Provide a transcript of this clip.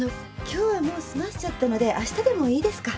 今日はもう済ませちゃったのであしたでもいいですか？